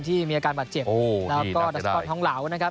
ที่มีอาการปัดเจ็บ